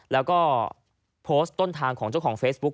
แล้วก็โพสต์ต้นทางของเจ้าของเฟซบุ๊ค